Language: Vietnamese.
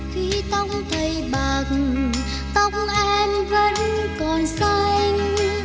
khi tóc thầy bạc tóc em vẫn còn xanh